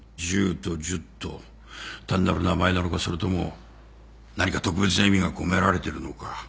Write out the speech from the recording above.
ジュートジュット単なる名前なのかそれとも何か特別な意味が込められてるのか。